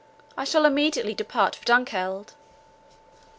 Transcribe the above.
I shall immediately depart for Dunkeld."